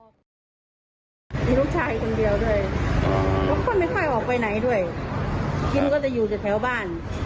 มีลูกชายคนเดียวด้วยทุกคนไม่ค่อยออกไปไหนด้วยกินก็จะอยู่แต่แถวบ้าน